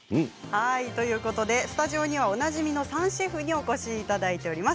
スタジオにはおなじみの３シェフにお越しいただいております。